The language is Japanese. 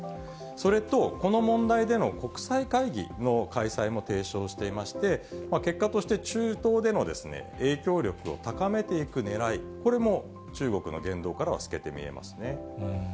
それと、この問題での国際会議の開催も提唱していまして、結果として中東での影響力を高めていくねらい、これも中国の言動からは透けて見えますね。